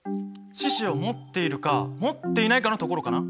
四肢をもっているかもっていないかのところかな。